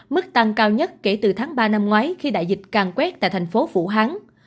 mức tăng cao nhất kể từ tháng ba năm ngoái khi đại dịch càng quét tại thành phố phủ hán